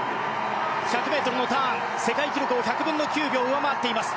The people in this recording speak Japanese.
１００ｍのターン世界記録を１００分の９秒上回っています。